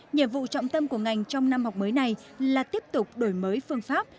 nhiệm vụ trọng tâm của ngành trong năm học mới này là tiếp tục đổi mới phương pháp